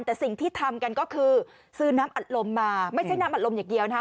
แต่สิ่งที่ทำกันก็คือซื้อน้ำอัดลมมาไม่ใช่น้ำอัดลมอย่างเดียวนะคะ